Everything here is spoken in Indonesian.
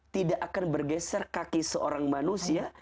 tidak akan bergeser kaki seorang manusia